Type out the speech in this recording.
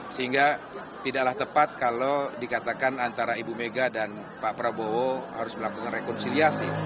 sehingga tidaklah tepat kalau dikatakan antara ibu mega dan pak prabowo harus melakukan rekonsiliasi